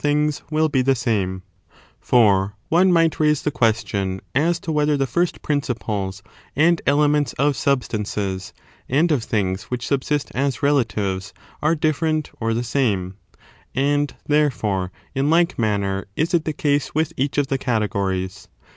Are the eie ^H things will be the same: For one might raise mentsof sub the question as to whether the first principles sdinccs And relatives the and elements of substances, and of things which same? subsist as relatives, are different or the same? and, therefore, in like manner is it the case with each of the categories.